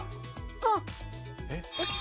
あっ。えっ？